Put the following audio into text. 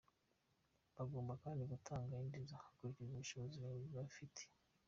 Bagomba kandi gutanga indezo hakurikijwe ubushobozi babifitiye.